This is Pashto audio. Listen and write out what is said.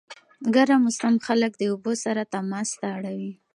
ګرم موسم خلک د اوبو سره تماس ته اړوي.